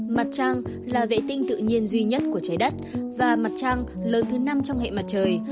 mặt trăng là vệ tinh tự nhiên duy nhất của trái đất và mặt trăng lớn thứ năm trong hệ mặt trời